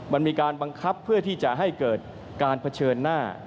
มันมีการบังคับเพื่อที่จะให้เกิดการเผชิญหน้า